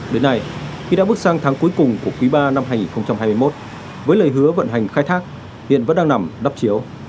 đến nay khi đã bước sang tháng cuối cùng của quý ba năm hai nghìn hai mươi một với lời hứa vận hành khai thác hiện vẫn đang nằm đắp chiếu